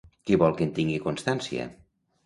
Qui vol que en tingui constància?